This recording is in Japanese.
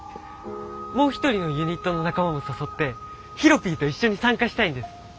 もう一人のユニットの仲間も誘ってヒロピーと一緒に参加したいんです。